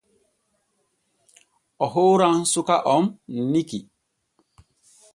O hooran suka on Niki.